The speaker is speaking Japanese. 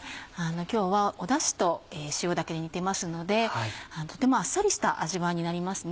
今日はダシと塩だけで煮てますのでとてもあっさりした味わいになりますね。